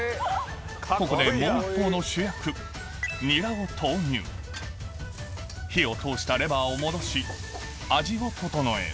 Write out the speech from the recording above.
ここでもう一方の主役を投入火を通したレバーを戻し味を調える